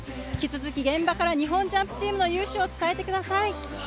引き続き現場から日本ジャンプチームの優勝を伝えてください。